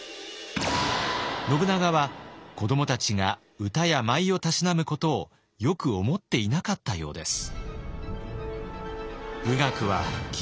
信長は子どもたちが歌や舞をたしなむことをよく思っていなかったようです。